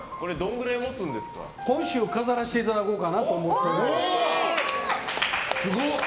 今週飾らしていただこうかなと思っています。